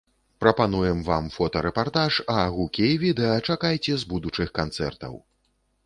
Прапануем вам фотарэпартаж, а гукі і відэа чакайце з будучых канцэртаў!